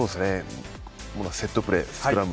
セットプレー、スクラム。